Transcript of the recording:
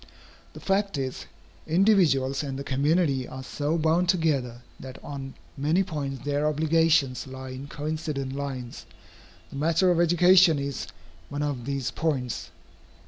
The fact is, individuals and the community are so bound together, that on many points their obligations lie in coincident lines. The matter of education is one of these points.